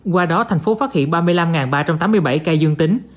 qua đó tp hcm phát hiện ba mươi năm ba trăm tám mươi bảy ca dương tính